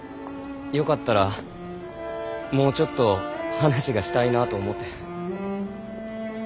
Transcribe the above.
よかったらもうちょっと話がしたいなあと思て。